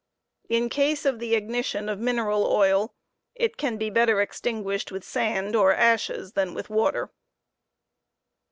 In case of the ignition of mineral oil, it can be better extinguished with sand or ashes than with water.